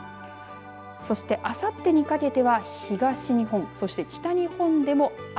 そして、あさってにかけては東日本そして北日本でも雨。